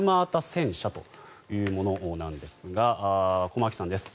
戦車というものなんですが駒木さんです。